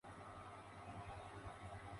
Generalmente acompañado de un limón.